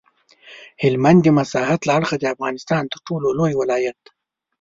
هلمند د مساحت له اړخه د افغانستان تر ټولو لوی ولایت دی.